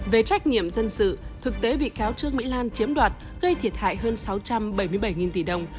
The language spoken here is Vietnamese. về trách nhiệm dân sự thực tế bị cáo trương mỹ lan chiếm đoạt gây thiệt hại hơn sáu trăm bảy mươi bảy tỷ đồng